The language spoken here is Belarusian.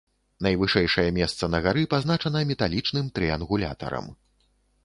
Найвышэйшае месца на гары пазначана металічным трыянгулятарам.